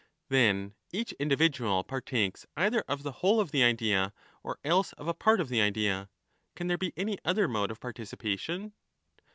Then each individual partakes either of the whole of the idea or else of a part of the idea ? Can there be any other mode of participation